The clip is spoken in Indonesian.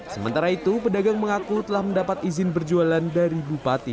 sementara itu pedagang mengaku telah mendapat izin berjualan dari bupati